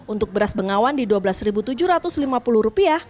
untuk beras bengawan di rp dua belas tujuh ratus lima puluh